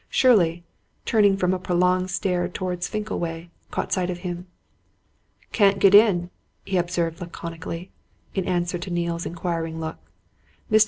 Shirley, turning from a prolonged stare towards Finkleway, caught sight of him. "Can't get in," he observed laconically, in answer to Neale's inquiring look. "Mr.